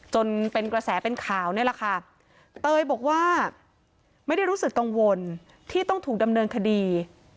จนเป็นกระแสเป็นข่าวนี่แหละค่ะเตยบอกว่าไม่ได้รู้สึกกังวลที่ต้องถูกดำเนินคดี